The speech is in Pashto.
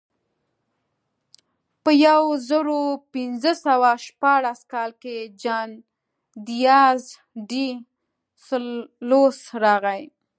په یو زرو پینځه سوه شپاړس کال کې جان دیاز ډي سلوس راغی.